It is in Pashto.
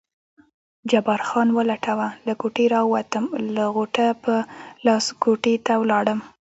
جبار خان ولټوه، له کوټې راووتم او غوټه په لاس کوټې ته ولاړم.